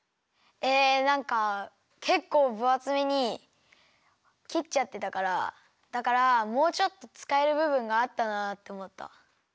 えなんかけっこうぶあつめにきっちゃってたからだからもうちょっとつかえるぶぶんがあったなっておもった。